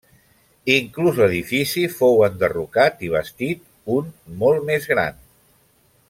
Inclús l'edifici fou enderrocat i bastit un molt més gran.